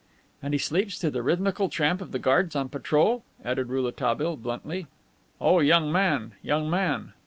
"And he sleeps to the rhythmical tramp of the guards on patrol," added Rouletabille, bluntly. "O young man, young man!"